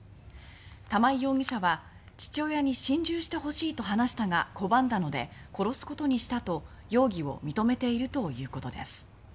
玉井容疑者は「父親に心中してほしいと話したが拒んだので殺すことにした」と容疑を認めているということです